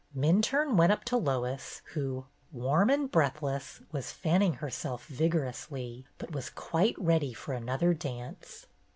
Minturne went up to Lois, who, warm and breathless, was fanning herself vigorously, but was quite ready for another dance.